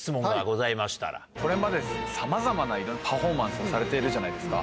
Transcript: これまでさまざまなパフォーマンスをされているじゃないですか。